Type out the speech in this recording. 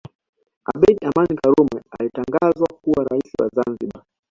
Abedi Amani Karume alitangazwa kuwa rais wa Zanzibari